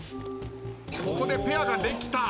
ここでペアができた。